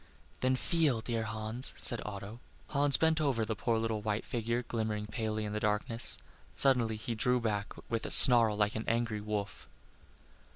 "Then feel, dear Hans," said Otto. Hans bent over the poor little white figure glimmering palely in the darkness. Suddenly he drew back with a snarl like an angry wolf.